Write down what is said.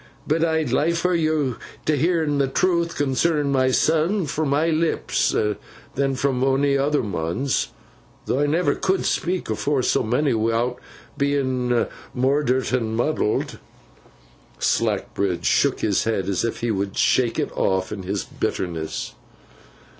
But I'd liefer you'd hearn the truth concernin myseln, fro my lips than fro onny other man's, though I never cud'n speak afore so monny, wi'out bein moydert and muddled.' Slackbridge shook his head as if he would shake it off, in his bitterness.